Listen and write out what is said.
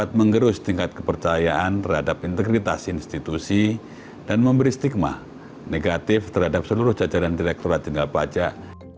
terima kasih tingkat kepercayaan terhadap integritas institusi dan memberi stigma negatif terhadap seluruh jajaran direkturat jenderal pajak